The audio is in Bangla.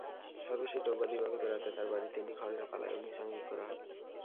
সর্বশেষ রোববার দিবাগত রাতে তাঁর বাড়ির তিনটি খড়ের পালায় অগ্নিসংযোগ করা হয়।